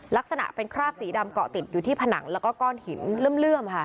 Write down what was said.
ลักษณะเป็นคราบสีดำเกาะติดอยู่ที่ผนังแล้วก็ก้อนหินเลื่อมค่ะ